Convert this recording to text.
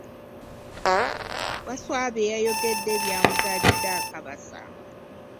Wasswa byeyayogedde bya muzalidde akabasa.